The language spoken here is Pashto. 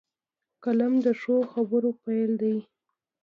قلم د ښو خبرو پيل دی